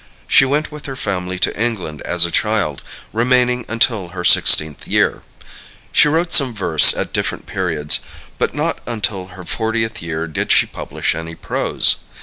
She went with her family to England as a child, remaining until her sixteenth year. She wrote some verse at different periods, but not until her fortieth year did she publish any prose.